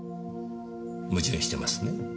矛盾してますね。